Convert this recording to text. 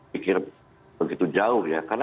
pikir begitu jauh ya karena